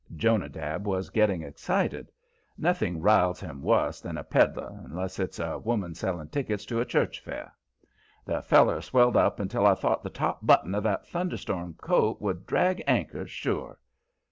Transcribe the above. Jonadab was getting excited. Nothing riles him wuss than a peddler, unless it's a woman selling tickets to a church fair. The feller swelled up until I thought the top button on that thunderstorm coat would drag anchor, sure.